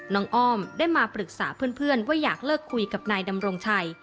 อ้อมได้มาปรึกษาเพื่อนว่าอยากเลิกคุยกับนายดำรงชัย